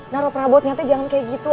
narut rabut nyatanya jangan kayak gitu